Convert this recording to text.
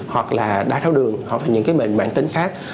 hoặc là đá tháo đường hoặc là những mệnh mạng tính khác